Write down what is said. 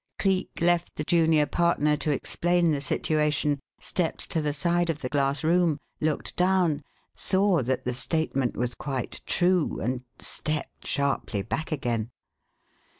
Cleek left the junior partner to explain the situation, stepped to the side of the glass room, looked down, saw that the statement was quite true, and stepped sharply back again.